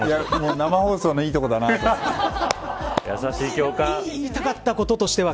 生放送のいいところだなと優しい教官。